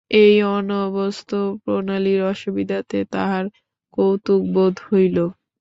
এই অনভ্যস্ত প্রণালীর অসুবিধাতে তাহার কৌতুকবোধ হইল।